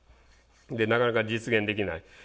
なかなか実現できない。